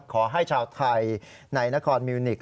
ขอให้ชาวไทยในนครมิวนิกส